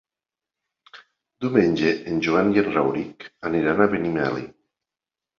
Diumenge en Joan i en Rauric aniran a Benimeli.